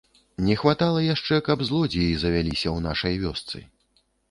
Не хватала яшчэ, каб злодзеі завяліся ў нашай вёсцы.